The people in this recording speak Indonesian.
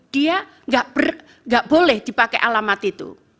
dia tidak boleh dipakai alamat itu